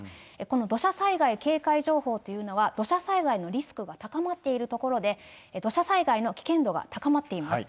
この土砂災害警戒情報というのは、土砂災害のリスクが高まっている所で、土砂災害の危険度が高まっています。